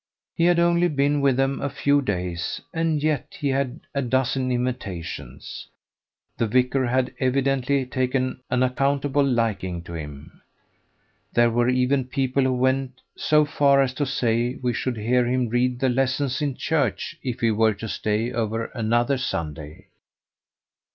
He had only been with them a few days, and yet he had a dozen invitations. The vicar had evidently taken an unaccountable liking to him. There were even people who went so far as to say we should hear him read the lessons in church if he were to stay over another Sunday.